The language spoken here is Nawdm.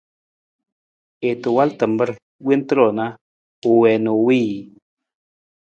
I ta wal tamar wonta ru na u wii na u wiiji.